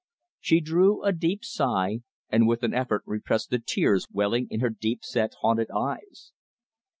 She drew a deep sigh, and with an effort repressed the tears welling in her deep set, haunted eyes.